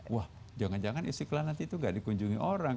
wah jangan jangan istiqlal nanti itu gak dikunjungi orang